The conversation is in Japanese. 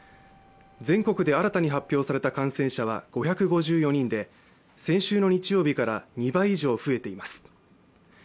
全国で新たに発表された感染者は５５４人で先週の日曜日から２倍以上増えています。